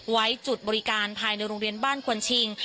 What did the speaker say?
ไว้จุดบริการภายในโรงเรียนบ้านควนชิง